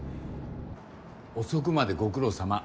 遅くまでご苦労さま。